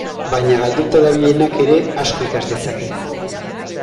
Baina galduta dabilenak ere asko ikas dezake.